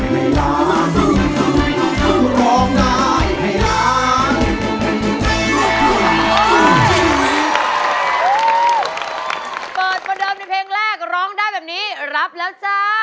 เปิดไม่เดิมนี่เพลงแรกร้องได้แบบนี้รับแล้วจ้า